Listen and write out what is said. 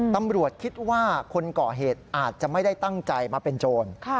ตำรวจคิดว่าคนก่อเหตุอาจจะไม่ได้ตั้งใจมาเป็นโจร